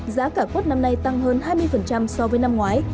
giá cả cuốt năm nay tăng hơn hai mươi so với năm ngoái